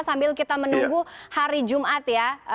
sambil kita menunggu hari jumat ya